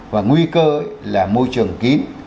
và nguy cơ là môi trường kín